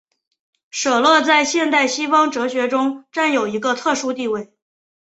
舍勒在现代西方哲学中占有一个特殊地位。